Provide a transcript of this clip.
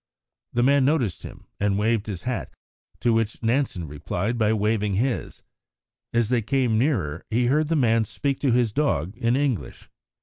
The man noticed him and waved his hat, to which Nansen replied by waving his; as they came nearer, he heard the man speak to his dog in English.